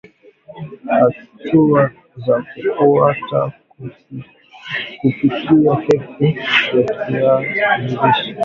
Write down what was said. Hatua za kufuata kupikia keki ya viazi lishe